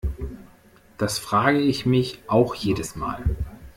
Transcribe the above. Das frage ich mich auch jedes Mal.